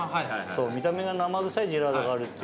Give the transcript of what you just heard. そう見た目が生臭いジェラートがあるっていう。